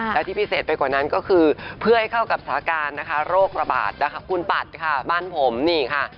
และที่พิเศษไปกว่านั้นก็คือเพื่อให้เข้ากับสถานการณ์นะคะโรคระบาดนะคะคุณปัดค่ะบ้านผมนี่ค่ะ